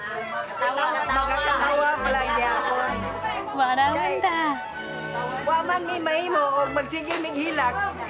笑うんだあ。